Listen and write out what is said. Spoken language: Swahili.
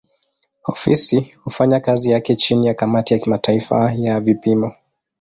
Ofisi hufanya kazi yake chini ya kamati ya kimataifa ya vipimo.